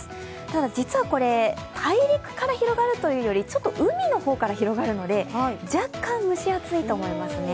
ただ、これ、大陸から広がるというより海の方から広がるので、若干蒸し暑いと思いますね。